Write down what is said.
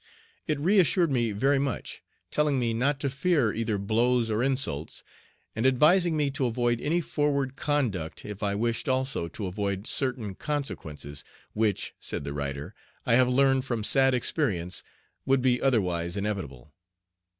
It reassured me very much, telling me not to fear either blows or insults, and advising me to avoid any forward conduct if I wished also to avoid certain consequences, "which," said the writer, "I have learned from sad experience," would be otherwise inevitable.